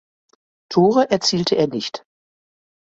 Tore erzielte er nicht.